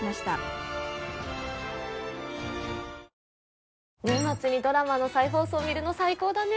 はい年末にドラマの再放送見るの最高だね